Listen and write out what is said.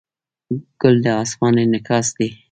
ګل د اسمان انعکاس دی.